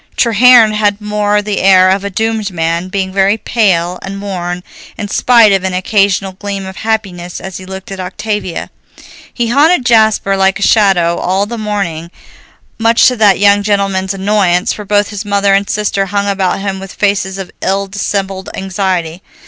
Treherne had more the air of a doomed man, being very pale and worn, in spite of an occasional gleam of happiness as he looked at Octavia. He haunted Jasper like a shadow all the morning, much to that young gentleman's annoyance, for both his mother and sister hung about him with faces of ill dissembled anxiety.